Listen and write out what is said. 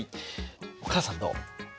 お母さんどう？